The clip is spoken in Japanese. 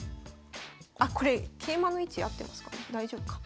あっこれ桂馬の位置合ってますかね大丈夫か。